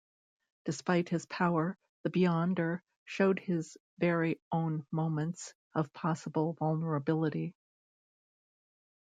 Despite his power, the Beyonder showed his very own moments of possible vulnerability.